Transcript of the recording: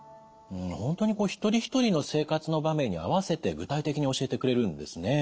本当に一人一人の生活の場面に合わせて具体的に教えてくれるんですね。